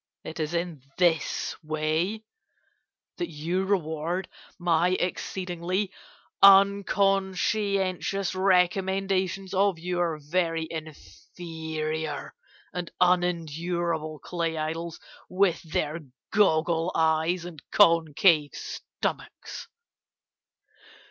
It is in this way that you reward my exceedingly unconscientious recommendations of your very inferior and unendurable clay idols, with their goggle eyes and concave stomachs!